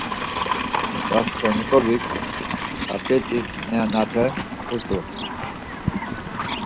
Rasǩolnikovik ǩap̌et̆i nenate utzu.